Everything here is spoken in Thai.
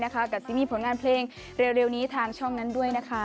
กับซิมี่ผลงานเพลงเร็วนี้ทางช่องนั้นด้วยนะคะ